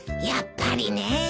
やっぱりね。